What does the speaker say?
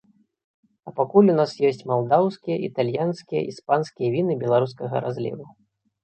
А пакуль у нас ёсць малдаўскія, італьянскія, іспанскія віны беларускага разліву.